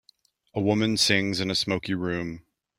A woman sings in a smokey room.